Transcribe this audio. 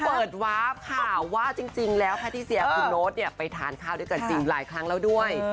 เขาเปิดวาร์ฟค่ะว่าจริงแล้วแพทติเซียคุณโน้ตเนี่ยไปทานข้าวด้วยกันหลายครั้งแล้วด้วย